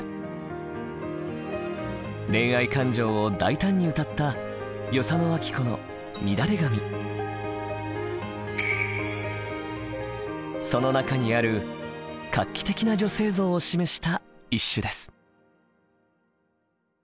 恋愛感情を大胆に歌ったその中にある画期的な女性像を示した一首です。